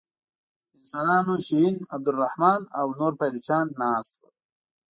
د انسانانو شهین عبدالرحمن او نور پایلوچان ناست وه.